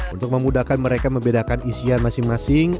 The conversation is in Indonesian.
untuk memudahkan mereka membedakan isian masing masing